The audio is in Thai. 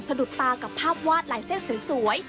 ดุดตากับภาพวาดลายเส้นสวย